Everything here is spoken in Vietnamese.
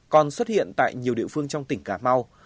còn xuất hiện tại nhiều địa phương trong tỉnh cà mau